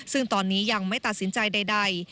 ซึ่งตอนนี้ยังไม่ตัดสินใจใด